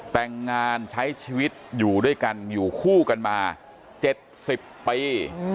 แต่งงานใช้ชีวิตอยู่ด้วยกันอยู่คู่กันมา๗๐ปี